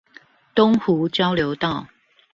東湖交流道